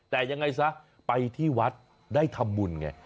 แต่ยังไงซะไปที่วัดได้ทำบุญไง